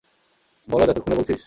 বলদ, এতক্ষণে বলছিস?